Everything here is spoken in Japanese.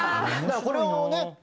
だからこれをね